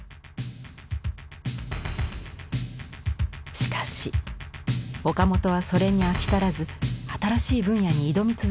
しかし岡本はそれに飽き足らず新しい分野に挑み続けます。